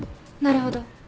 なるほど。